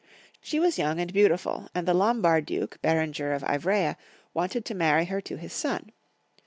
She was young and beautiful, and the Lombard duke, Berenger of Iv rea, wanted to marry her to his son.